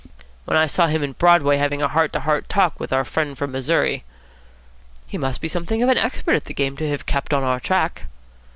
"When I saw him in Broadway having a heart to heart talk with our friend from Missouri." "He must be something of an expert at the game to have kept on our track."